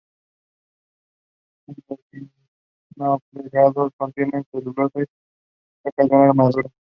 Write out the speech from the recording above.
En los dinoflagelados contienen celulosa y forman las placas de una armadura.